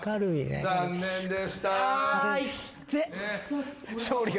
残念でした。